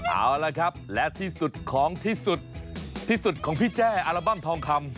เอาละครับและที่สุดของที่สุดที่สุดของพี่แจ้อัลบั้มทองคำ